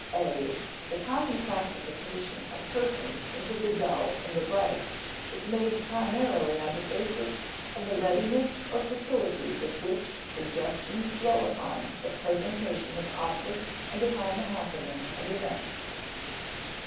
(a) The common classification of persons into the dull and the bright is made primarily on the basis of the readiness or facility with which suggestions follow upon the presentation of objects and upon the happening of events.